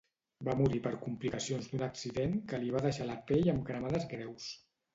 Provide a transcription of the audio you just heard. Va morir per complicacions d'un accident que li va deixar la pell amb cremades greus.